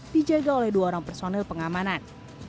dijaga oleh dua orang personil pengamanan